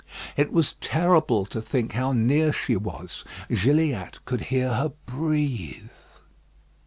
It was terrible to think how near she was: Gilliatt could hear her breathe.